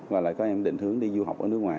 và lại các em định hướng đi du học ở nước ngoài